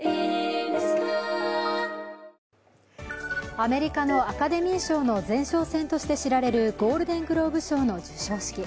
アメリカのアカデミー賞の前哨戦として知られるゴールデン・グローブ賞の授賞式。